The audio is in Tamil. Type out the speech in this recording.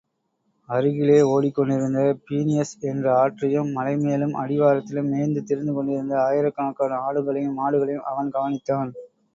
அருகிலே ஓடிக்கொண்டிருந்த பீனியஸ் என்ற ஆற்றையும், மலைமேலும் அடிவாரத்திலும் மேய்ந்து திரிந்துகொண்டிருந்த ஆயிரக்கணக்கான ஆடுகளையும் மாடுகளையும் அவன் கவனித்தான்.